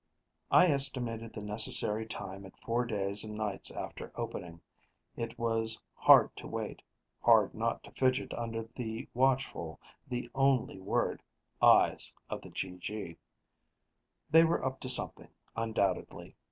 I estimated the necessary time at four days and nights after opening. It was hard to wait, hard not to fidget under the watchful the only word eyes of the GG. They were up to something, undoubtedly.